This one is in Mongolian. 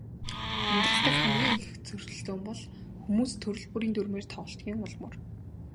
Амьдрал дахь хамгийн их зөрөлдөөн бол хүмүүс төрөл бүрийн дүрмээр тоглодгийн ул мөр.